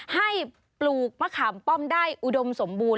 ให้ปลูกมะขามป้อมได้อุดมสมบูรณ